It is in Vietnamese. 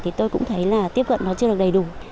thì tôi cũng thấy là tiếp cận nó chưa được đầy đủ